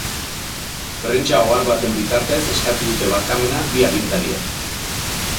Prentsa-ohar baten bitartez eskatu dute barkamena bi agintariek.